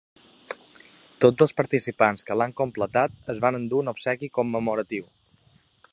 Tots els participants que l’han completat es van endur un obsequi commemoratiu.